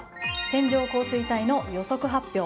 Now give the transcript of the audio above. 線状降水帯の予測発表。